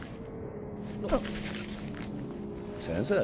先生？